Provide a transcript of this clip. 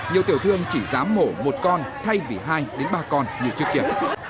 nhiều tiểu thương chỉ dám mổ một con thay vì hai đến ba con như trước kia